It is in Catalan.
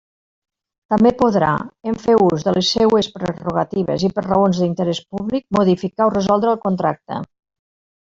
També podrà, en fer ús de les seues prerrogatives i per raons d'interés públic, modificar o resoldre el contracte.